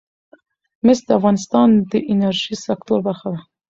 مس د افغانستان د انرژۍ سکتور برخه ده.